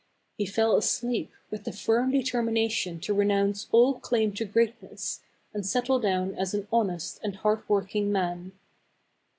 He fell asleep, with the firm determination to renounce all claim to greatness, and settle down as an honest and hard working man. 220 THE CAB AVAN.